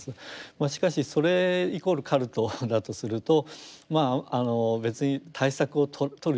しかしそれイコールカルトだとすると別に対策を取る必要もない。